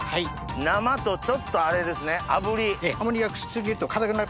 生とちょっとあれですね炙り。